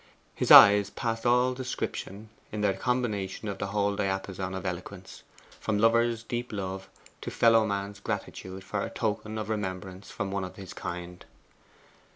His eyes passed all description in their combination of the whole diapason of eloquence, from lover's deep love to fellow man's gratitude for a token of remembrance from one of his kind.